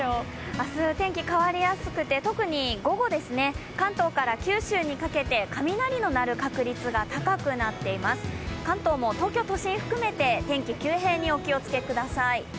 明日、天気変わりやすくて、特に午後ですね、関東から九州にかけて雷の鳴る確率が高くなっています、関東も東京都心含めて天気急変にお気をつけください。